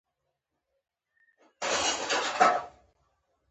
شربتونو ته یو خاص خوند ورکوي.